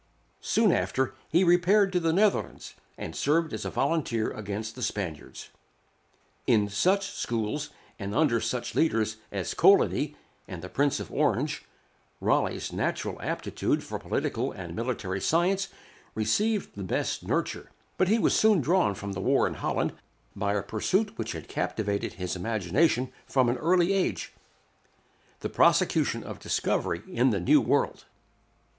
Soon after he repaired to the Netherlands, and served as a volunteer against the Spaniards. In such schools, and under such leaders as Coligni and the Prince of Orange, Raleigh's natural aptitude for political and military science received the best nurture; but he was soon drawn from the war in Holland by a pursuit which had captivated his imagination from an early age the prosecution of discovery in the New World.